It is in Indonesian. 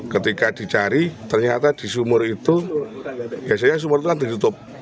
ketika dicari ternyata di sumur itu biasanya sumur itu kan ditutup